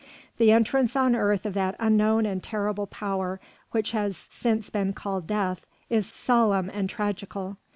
The entrance on earth of that unknown and terrible power which has since been called death is solemn and tragical.